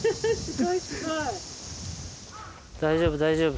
大丈夫大丈夫。